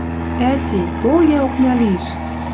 Ӓти, тол йӓ окня лиш!